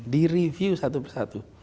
direview satu persatu